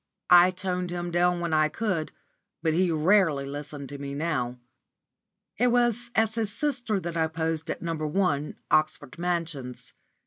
I toned him down when I could, but he rarely listened to me now. It was as his sister that I posed at No. 1, Oxford Mansions.